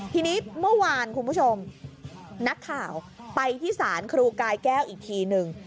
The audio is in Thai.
ทีนี้เมื่อวานคุณผู้ชมนักข่าวไปที่ศาลครูกายแก้วอีกทีนึง